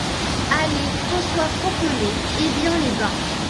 Allée Francois Fauconnet, Évian-les-Bains